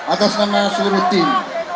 atas nama seluruh tim